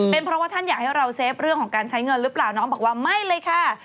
เป็นเพราะว่าท่านอยากให้เราเซฟเรื่องของการใช้เงินหรือเปล่าน้องบอกว่าไม่เลยค่ะ